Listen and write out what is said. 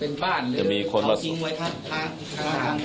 เป็นบ้านหรือเขาทิ้งไว้ข้างถนน